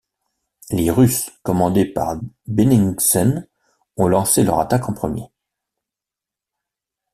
Les Russes, commandés par Benningsen, ont lancé leur attaque en premier.